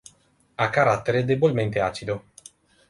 Ha carattere debolmente acido.